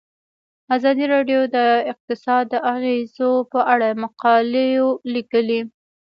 ازادي راډیو د اقتصاد د اغیزو په اړه مقالو لیکلي.